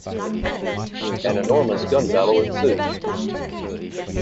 An enormous gun battle ensues.